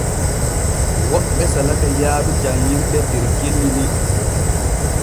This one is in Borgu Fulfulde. Woɓɓe salake yaadu janŋirde der genni ni.